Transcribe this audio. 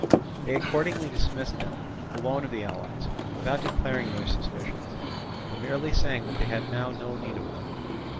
They accordingly dismissed them alone of the allies, without declaring their suspicions, but merely saying that they had now no need of them.